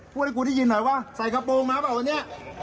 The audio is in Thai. พูดให้กูได้ยินหน่อยว่าใส่กระโปรงมาเปล่าวันนี้